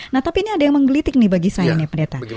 nah tapi ini ada yang menggelitik nih bagi saya nih pendeta